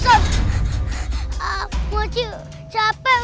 sama muarjah juga lapar